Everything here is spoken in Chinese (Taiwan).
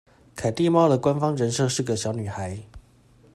凱蒂貓的官方人設是個小女孩